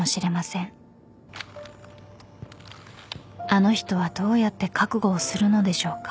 ［あの人はどうやって覚悟をするのでしょうか？］